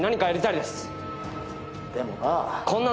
でもな。